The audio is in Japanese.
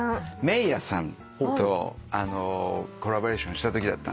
メイヤさんとコラボレーションしたときだったんですけど。